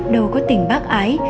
đầu có tình bác ái